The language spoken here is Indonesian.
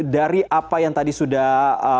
dari apa yang tadi sudah